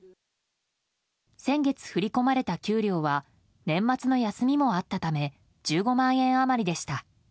先月振り込まれた給料は年末の休みもあったため１５万円余りでした。